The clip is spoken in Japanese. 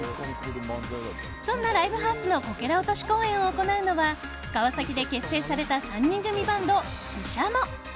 そんなライブハウスのこけら落とし公演を行うのは川崎で結成された３人組バンドＳＨＩＳＨＡＭＯ。